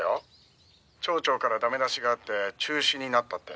「町長から駄目出しがあって中止になったって」